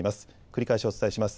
繰り返しお伝えします。